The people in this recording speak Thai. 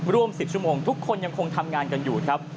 รวม๑๐ชั่วโมงทุกคนยังคงทำงานกันอยู่ครับ